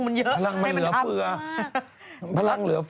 มันเยอะแม่งมันเยอะมันเยอะให้มันเดี๋ยว